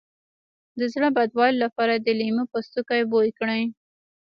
د زړه بدوالي لپاره د لیمو پوستکی بوی کړئ